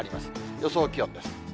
予想気温です。